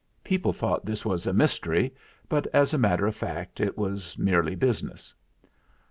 People thought this was mystery; but as a matter of fact it was merely business.